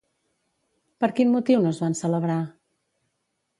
Per quin motiu no es van celebrar?